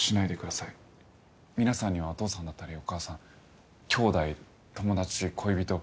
皆さんにはお父さんだったりお母さん兄弟友達恋人。